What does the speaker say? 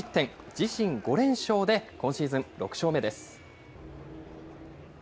自身５連勝で、今シーズン６勝目です。